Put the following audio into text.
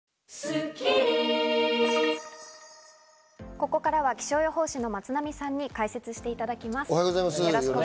ここからは気象予報士の松並さんに解説していただきます。